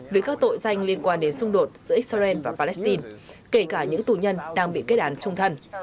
với các tội danh liên quan đến xung đột giữa israel và palestine kể cả những tù nhân đang bị kết án trung thân